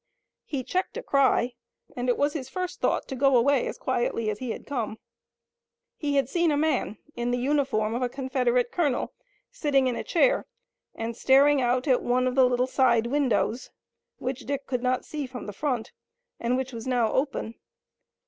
He checked a cry, and it was his first thought to go away as quietly as he had come. He had seen a man in the uniform of a Confederate colonel, sitting in a chair, and staring out at one of the little side windows which Dick could not see from the front, and which was now open.